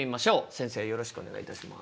先生よろしくお願いいたします。